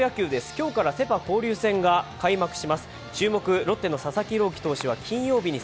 今日からセ・パ交流戦が始まります